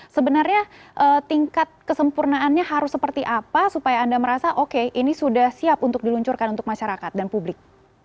sebenarnya tingkat kesempurnaannya harus seperti apa supaya anda merasa oke ini sudah siap untuk diluncurkan untuk masyarakat dan publik